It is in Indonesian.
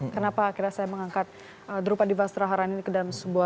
kenapa akhirnya saya mengangkat drupadipas traharan ini ke dalam sebuah karya